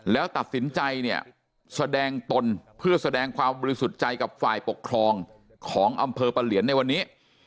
แล้วตัดสินใจเนี่ยแสดงตนเพื่อแสดงความบริสุทธิ์ใจกับฝ่ายปกครองของอำเภอปะเหลียนในวันนี้